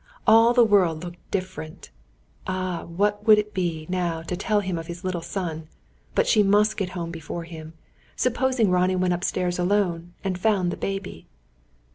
All the world looked different! Ah, what would it be, now, to tell him of his little son! But she must get home before him. Supposing Ronnie went upstairs alone, and found the baby!